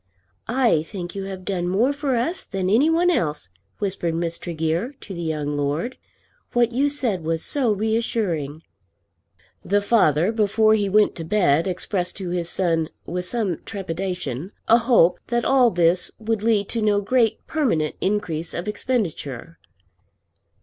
"I think you have done more for us than any one else," whispered Miss Tregear to the young Lord. "What you said was so reassuring!" The father before he went to bed expressed to his son, with some trepidation, a hope that all this would lead to no great permanent increase of expenditure.